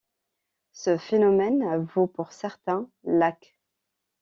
Ce phénomène vaut pour certains lacs.